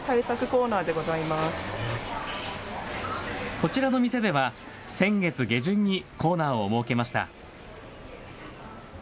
こちらの店では、先月下旬にコーナーを設けました。